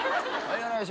はい。